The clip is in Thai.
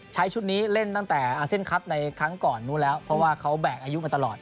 ใช้ชุดนี้เล่นตั้งแต่อาเซียนคลับในครั้งก่อนนู้นแล้วเพราะว่าเขาแบกอายุมาตลอด